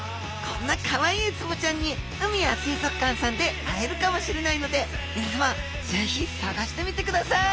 こんなかわいいウツボちゃんに海や水族館さんで会えるかもしれないのでみなさまぜひ探してみてください！